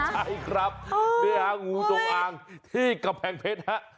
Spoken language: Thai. ใช่ครับเนี่ยงูจงอ้างที่กระแพงเพชร